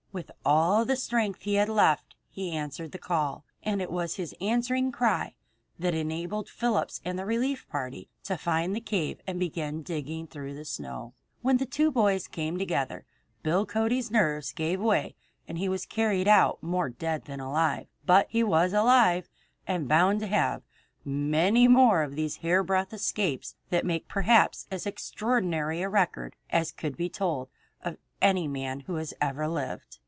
With all the strength he had left he answered the call, and it was his answering cry that enabled Phillips and the relief party to find the cave and begin digging through the snow. When the two boys came together Bill Cody's nerves gave way and he was carried out more dead than alive. But he was alive and bound to have many more of these hairbreadth escapes that make perhaps as extraordinary a record as could be told of any man who has ever lived.